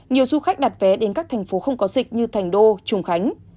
nhiều du khách đặt vé đến các thành phố không có dịch như thành đô trùng khánh